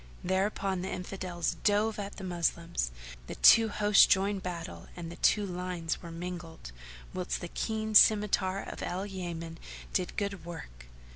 Thereupon the Infidels drove at the Moslems; the two hosts joined battle and the two lines were mingled, whilst the keen scymitar of Al Yaman did good work.